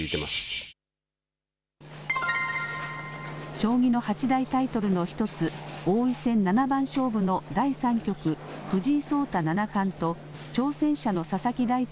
将棋の八大タイトルの１つ、王位戦七番勝負の第３局、藤井聡太七冠と挑戦者の佐々木大地